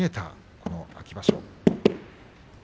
この秋場所。